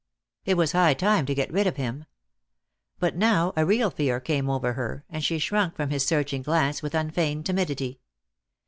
It was high time to get rid of him. But now a real fear come over her, and she shrunk from his searching glance with unfeigned timidity.